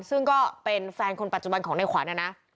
ซึ่งก็เป็นแฟนคนปัจจุบันของในขวัญนะนะ